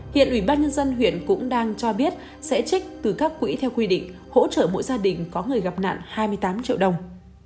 hiện ubnd huyện cũng đang cho biết sẽ trích từ các quỹ theo quy định hỗ trợ mỗi gia đình có người gặp nạn hai mươi tám triệu đồng